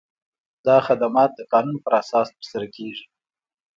دا خدمات د قانون په اساس ترسره کیږي.